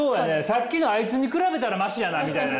さっきのあいつに比べたらマシやなみたいなね。